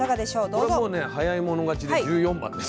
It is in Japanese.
これもうね早い者勝ちで１４番ですよね。